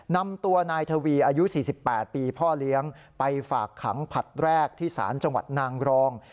นำตัวนายทวีอายุ๔๘ปีพ่อเลี้ยงไปฝากขังผลัดแรกที่ศาลจังหวัดนางรอง